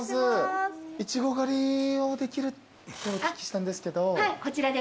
いちご狩りをできるってお聞きしたんですけど。